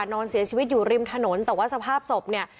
นอนเสียชีวิตอยู่ริมถนนแต่ว่าสภาพศพเนี่ย